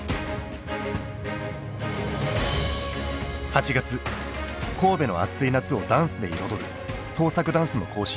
８月神戸の暑い夏をダンスで彩る創作ダンスの甲子園。